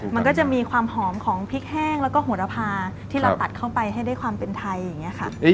มันก็จะมีความหอมของพริกแห้งแล้วก็หัวระพาที่เราตัดเข้าไปให้ได้ความเป็นไทยอย่างนี้ค่ะ